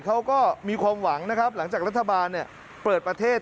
เขาก็มีความหวังนะครับหลังจากรัฐบาลเปิดประเทศ